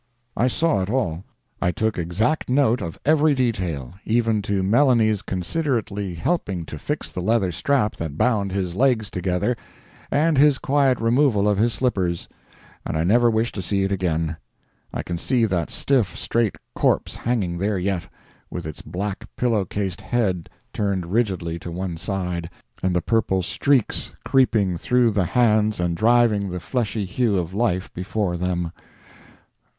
I saw it all. I took exact note of every detail, even to Melanie's considerately helping to fix the leather strap that bound his legs together and his quiet removal of his slippers—and I never wish to see it again. I can see that stiff, straight corpse hanging there yet, with its black pillow cased head turned rigidly to one side, and the purple streaks creeping through the hands and driving the fleshy hue of life before them.